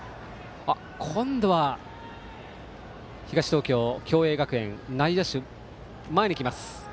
今度は東東京・共栄学園の内野手が前に来ます。